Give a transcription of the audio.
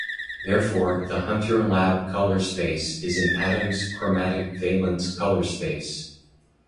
Therefore, the Hunter Lab color space is an Adams chromatic valence color space.